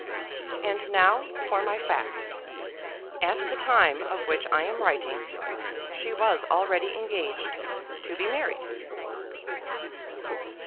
And now for my fact. At the time of which I am writing she was already engaged to be married.